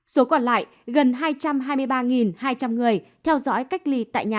số còn lại gần hai trăm hai mươi ba hai trăm linh người theo dõi cách ly tại nhà